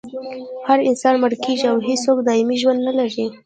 هر انسان مړ کیږي او هېڅوک دایمي ژوند نلري